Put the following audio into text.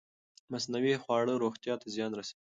مصنوعي خواړه روغتیا ته زیان رسوي.